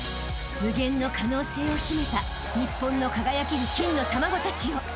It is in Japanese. ［無限の可能性を秘めた日本の輝ける金の卵たちよ］